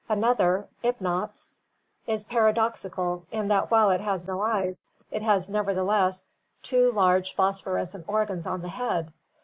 Another, Ipnops, is paradoxical in that while it has no eyes it has nevertheless two large, phosphorescent organs on the head!